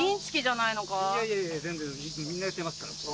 いやいや全然みんなやってますから。